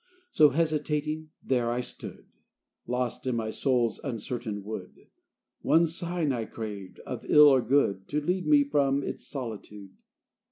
So, hesitating, there I stood Lost in my soul's uncertain wood; One sign I craved of ill or good To lead me from its solitude.